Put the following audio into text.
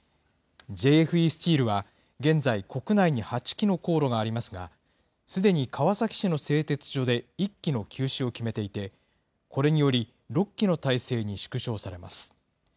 ＪＦＥスチールは現在、国内に８基の高炉がありますが、すでに川崎市の製鉄所で１基の休止を決めていて、これにより６基の体制に縮小されます。